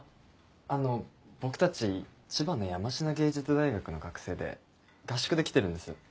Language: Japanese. あの僕たち千葉の山科芸術大学の学生で合宿で来てるんです。